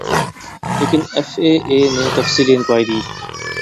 لیکن F A A نے تفصیلی انکوائری